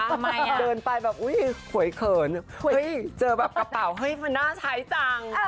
เดินไปแบบอุ๊ยสวยเขินเฮ้ยเจอแบบกระเป๋าเฮ้ยมันน่าใช้จัง